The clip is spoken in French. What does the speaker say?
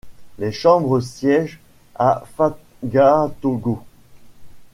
Les chambres siègent à Fagatogo.